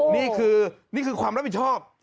นี่คือความรับผิดชอบ